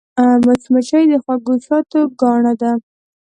مچمچۍ د خوږ شاتو ګاڼه ده